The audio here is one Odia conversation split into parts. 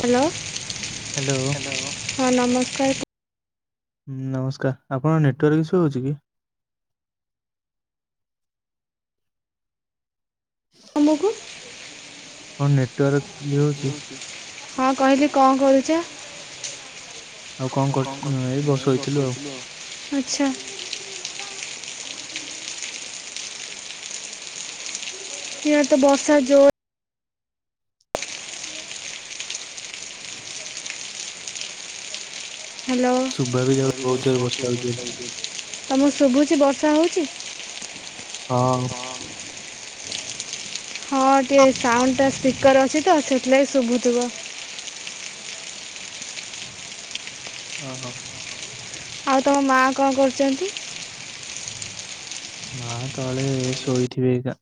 ହ୍ୟାଲୋ ହଁ ନମସ୍କାର ହଁ ନମସ୍କାର ଆପଣଙ୍କ ନେଟୱାର୍କ ଇସୁ ହଉଛି କି ତୁମକୁ ହଁ ନେଟ୍ୱାର୍କ ଇଏ ହଉଛି ହଁ କହିଲି କଣ କରୁଛ? ଆଉ କଣ କରୁଛ ଏଇ ବ ଶୋଇଥିଲୁ ଆଉ ଆଚ୍ଛା। ଇଆଡେ ତ ବର୍ଷା ଜୋରେ। ହାଲୋ। ଶୁଭା ବି ଯାଉ ବହୁତ ଜୋର ବର୍ଷା ହଉଛି ବୋଲି। ତମକୁ ଶୁଭୁଛି ବର୍ଷା ହଉଛି। ହଁ। ହଁ ଟିକେ୍ ସାଉଣ୍ଡ ଟା ସ୍ପିକର ଅଛି ତ ସେଥିଲାଗି ଶୁଭୁଥିବ। ଅ ହ। ଆଉ ତମ ମାଆ କଣ କରୁଛନ୍ତି? ମା ତଳେ ଶୋଇଥିବେ ଏଇଖା।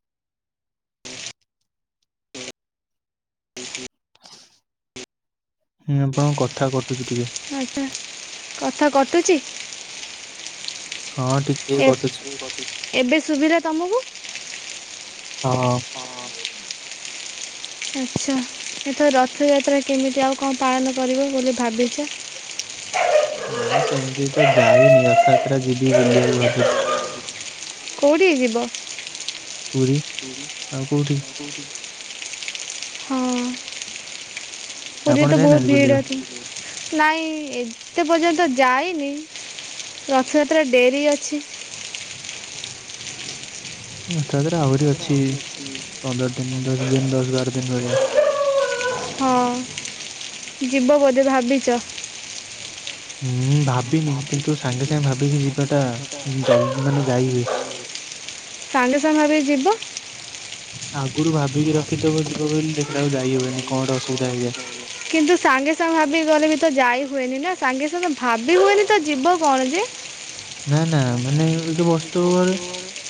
[inaudible] ହୁଁ ଆପଣଙ୍କ କଥା କଟୁଛି ଟିକେ। ଆଚ୍ଛା କଥା କଟୁଛି। ହଁ ଠିକ୍ [unintelligible] ଏ ଏବେ ସୁଭିଲା ତମକୁ? ହଁ। ଆଚ୍ଛା ଏଥର ରଥଯାତ୍ରା କେମିତି ଆଉ କଣ ପାଳନ କରିବ ବୋଲି ଭାବିଛ। ନାଇଁ ସେମିତି ତ ଯାଇନି ରଥଯାତ୍ରା ଯିବି ବୁଲିବାକୁ ଭାବୁଛି। କୋଉଠିକି ଯିବ? ପୁରୀ ଆଉ କୋଉଠି [inaudible] ହଁ। ପୁରୀ ଆପଣ ତ ବହୁତ୍ ଯାଇନାହାନ୍ତି ଭିଡ଼ ବୁଲିବାକୁ ଥିଲା ନାଇଁ ଏତେ ପର୍ଯ୍ୟନ୍ତ ଯାଇନି ରଥଯାତ୍ରା ଡେରି ଅଛି। ରଥ ଯାତ୍ରା ଆହୁରି ଅଛି ପନ୍ଦର ଦିନ ଦଶ ଦିନ ଦଶ ବାର ଦିନ ଭଳିଆ। ହଁ ଯିବ ବୋଧେ ଭାବିଛ। ହୁଁ ଭାବିନି କିନ୍ତୁ ସାଙ୍ଗେ ସାଙ୍ଗେ ଭାବିକି ଯିବାଟା ଜଲଦି ମାନେ ଯାଇ ହୁଏ। ସାଙ୍ଗେ ସାଙ୍ଗେ ଏବେ ଯିବ। ଆଗରୁ ଅଗୁରୁ ଭାବିକି ଯିବ ରଖିଥିବ ବୋଲି ଦେଖିଲା ଟୋଟାଲି ବେଳକୁ ମାନେ ହୁଏନି ଯାଇ କଣ ଗୋଟେ ଅସୁବିଧା ହେଇଯାଏ। ହବନି [unintelligible] କିନ୍ତୁ ସାଙ୍ଗେ ସାଙ୍ଗେ ଭାବିକି ଗଲେ ବି ତ ଯାଇ ହୁଏନି ନା ସାଙ୍ଗେ ସାଙ୍ଗେ ଭାବି ହୁଏନି ତ ଯିବ କଣ ଯେ ନା ନା ମାନେ ଏଇତ ବସି ଥିବୁ ଘରେ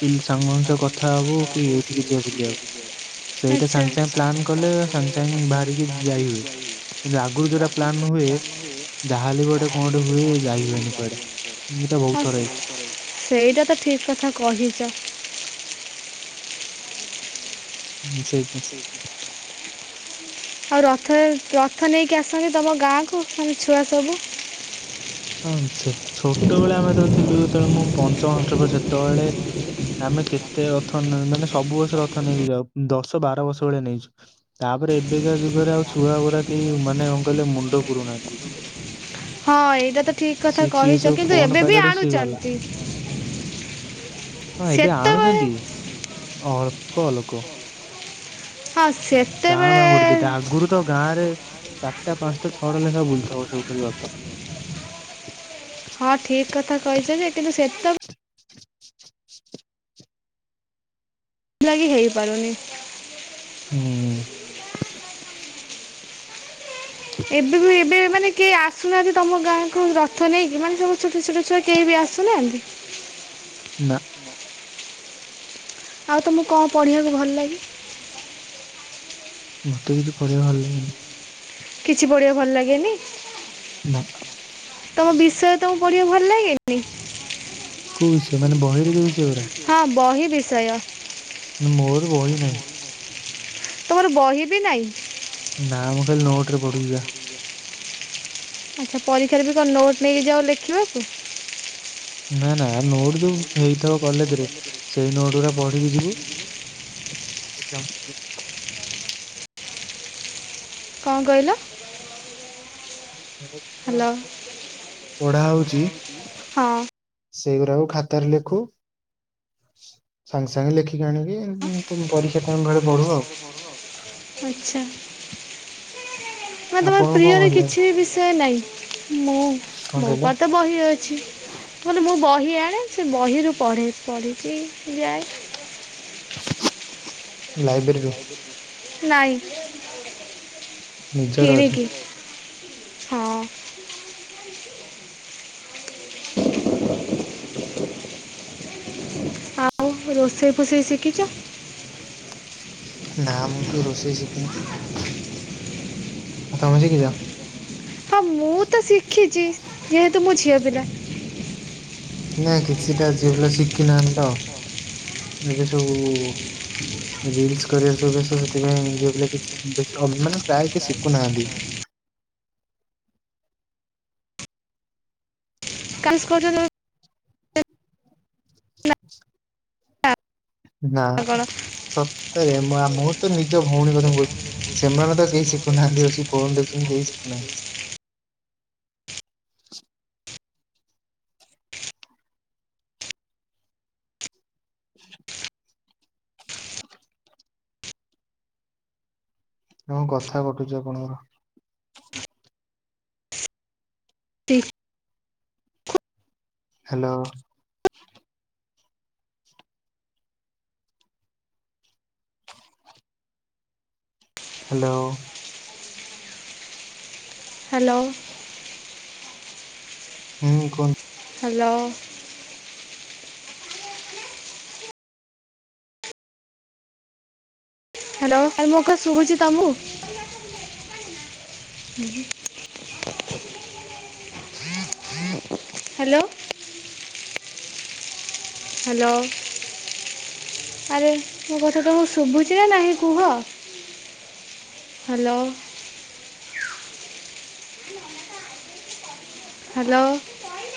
ପିଲ୍ ସାଙ୍ଗମାନସ କଥା ହବୁ। କି ଏଇଠିକି ଆଚ୍ଛା ଯିବା ବୁଲିବାକୁ। ସାଙ୍ଗେ ସଙ୍ଗେ ସେଇଟା ସାଙ୍ଗେ ପ୍ଲାନ୍ ସାଙ୍ଗେ ପ୍ଲାନ୍ କଲେ ସାଙ୍ଗେ ସଙ୍ଗେ ବାହାରିକି ଯାଇ ହୁଏ। [unintelligible] ଲାଗୁଛି କିନ୍ତୁ ଆଗରୁ ନଏ ଯୋଉଟା ପ୍ଲାନ୍ ହୁଏ ବାହା ଗୋଟେ ଯାହାହେଲେ ବି କଠ ଗୋଟେ କଣ ଗୋଟେ ହ ହୁଏ ଯାଇ ଯ ହୁଏନି କୁଆଡେ। [unintelligible] ମୁଁ ସେଇଟା ବହୁତ ଥର ହେଇଛି ତ ଠିକ କଥା କହିଛ [unintelligible] ହୁଁ ସେଇଥ ପାଇଁ। [unintelligible] ଆଉ ରଥ ରେ ରଥ ନେଇକି ଆସନ୍ତି ତମ ଗାଁକୁ ତମେ ଛୁଆ ସବୁ? ହଁ ସେ ଛୋଟବେଳେ ଆମେ ଯେତେବେଳେ ଥିଲୁ ଯେତେବେଳେ ମୁଁ ପଞ୍ଚମ ଷଷ୍ଠ ପଢ଼ୁଥିଲି ସେତେବେଳେ ଆମେ କେତେ ରଥ ମାନେ ସବୁ ବର୍ଷ ରଥ ନେଇକି ଯାଉ ଦଶ ବାର ବର୍ଷ ଭେଳିଆ ନେଇଛୁ। ତାପରେ ଏବେକା ଯୁଗରେ ଆଉ ଛୁଆ ଗୁରା କେହି ମାନେ କଣ କହିଲେ ମୁଣ୍ଡ ପୁରଉ ନାହାନ୍ତି। ହଁ ଏଇଟା ତ ଠିକ୍ କଥା ସିଏ କିଏ କହିଛ ସବୁ କିନ୍ତୁ ଫୋନ ଏବେ ବି ପାଇଲାଠୁ ସିଏ ଗଲା ଆଣୁଛନ୍ତି। ହଁ ଏବେ ସେତେବେଳେ ଆଣୁଛନ୍ତି ଅଳ୍ପ ଲୋକ। ହଁ ସେ କାଁ ଭା ଗୋଟେ ଦିଇଟା ଆଗରୁ ତ ଗାଁ ରେ ଚାରିଟା, ପାଞ୍ଚଟା, ଛଅଟା ଲେଖାଁ ବୁଲଥବ ସବୁ ଖାଲି ରଥ। [inaudible] ହଁ ଠିକ୍ କଥା କହିଛ ଯେ କିନ୍ତୁ ସେତେ ଲାଗି ହେଇପାରୁନି। ହୁଁ। ଏବେ ବି ଏବେ ମାନେ କେହି ଆସୁନାହାନ୍ତି ତମ ଗାଁକୁ ରଥ ନେଇକି ମାନେ ସମସ୍ତ ଛୋଟ ଛୋଟ ଛୁଆ କେହି ବି ଆସୁନାହାନ୍ତି? ନା। ଆଉ ତମକୁ କଣ ପଢ଼ିବାକୁ ଭଲ ଲାଗେ? ମତେ କିଛି ପଢିବା ଭଲ ଲାଗେନି। କିଛି ବଢିବା ଭଲ ଲାଗେନି? ନା। ତମ ବିଷୟ ତମକୁ ପଢ଼ିବାକୁ ଭଲ ଲାଗେନି? କୋଉ ବିଷୟ ମାନେ ବହିରେ ଯଉ ବିଷୟଗୁରା? ହଁ ବହି ବିଷୟ। ମୋର ବହି ନାହିଁ। ତମର ବହି ବି ନାଇଁ? ନା ମୁଁ ଖାଲି ନୋଟ ରେ ପଡୁଛା ଯା। ଆଚ୍ଛା ପରୀକ୍ଷାରେ ବି କଣ ନୋଟ ନେଇକି ଯାଉ ଲେଖିବାକୁ? ନା ନା ନୋଟ ଯୋଉ ହେଇଥିବ କଲେଜ ରେ ସେଇ ନୋଟ ଗୁଡା ପଢିକି ଯିବୁ। [inaudible] କଣ କଇଲ? ହ୍ୟାଲୋ [unintelligible] ପଢା ହଉଛି ହଁ। ସେଇଗୁଡ଼ାକୁ ଖାତାରେ ଲେଖୁ। ସାଙ୍ଗ୍ ସାଙ୍ଗ୍ ଲେଖିକି ଆଣିକି ପରୀକ୍ଷା ଟାଇମେ ବେଳେ ବଢୁ ଆଉ। [inaudible] ଆଚ୍ଛା। ମେ ତ ମୋ ଆପଣଙ୍କୁ କଣ ପ୍ରିୟରେ ଭଲ ଲାଗେ କିଛି ବିଷୟ ନାହିଁ? ମୁଁ କଣ ମୋ କହିଲେ ଉପ ତ ବହି ଅ ମୁଁ କଲି ମୋ ବହି ଆଣେ ସେ ବହିରୁ ପଢ଼େ। ପଢ଼ିକି ଯାଏ। ଲାଇବ୍ରେରୀରୁୁ। ନାଇଁ, ନିଜର ଅଛି କିଣିକିି। ହଁ। ଆଉ ରୋଷେଇ ଫୋଷେଇ ଶିଖିଛ? ନା ମୁଁ କେବେ ରୋଷେଇ ଶିକିନି। ଆଉ ତମେ ଶଖିଚ? ହଁ ମୁଁ ତ ଶିଖିଛି ଯେହେତୁ ମୁଁ ଝିଅ ପିଲା। ନା କିଛିଟା ଝିଅ ପିଲା ଶିଖି ନାହାନ୍ତି ତ। ଏବେ ସବୁ ରିଲ୍ସ କରିବାରେ ସବୁ ବ୍ୟସ୍ତ ସେଥିପାଇଁ ଝିଅ ପିଲା ବିସ୍ ମାନେ ପ୍ରାୟ କିଏ ଶିଖୁନାହାନ୍ତି। [unintelligible] ନା କଣ ସତରେ ମୁଁ ତ ନିଜ ଭଉଣୀ କଥା ମୁଁ କହୁ ସେମାନେ ତ କେହି ଶିଖୁନାହାନ୍ତି ବସିକି ଫୋନ ଦେଖୁଛନ୍ତି କେହି ଶିଖୁନାହାନ୍ତି। ହଁ କଥା କଟୁଛି ଆପଣଙ୍କର। ଠିକ୍ ହ୍ୟାଲୋ। ହ୍ୟାଲୋ। ହ୍ୟାଲୋ। ହୁଁ କୁହନ୍ତୁ। ହ୍ୟାଲୋ। ହ୍ୟାଲୋ ଆଉ ମୋ କଥା ଶୁଭୁଚି ତମକୁ? ହୁଁ ଉଁ। ହ୍ୟାଲୋ। ହାଲୋ। ଆରେ ମୋ କଥା ତମକୁ ଶୁଭୁଛି ନା ନାହିଁ କୁହ? ହାଲୋ। ହାଲୋ।